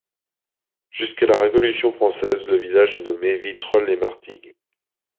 Jusqu'à la Révolution française le village est nommé Vitrolles-lez-Martigues.